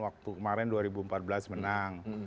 waktu kemarin dua ribu empat belas menang